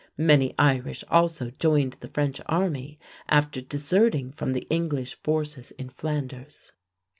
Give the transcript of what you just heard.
Many Irish also joined the French army after deserting from the English forces in Flanders.